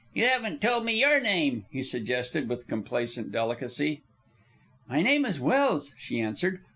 "You haven't told me your name," he suggested, with complacent delicacy. "My name is Welse," she answered.